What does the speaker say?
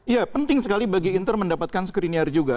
ya penting sekali bagi inter mendapatkan screener juga